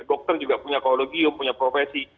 dokter juga punya kologium punya profesi